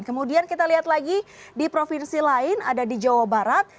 kemudian kita lihat lagi di provinsi lain ada di jawa barat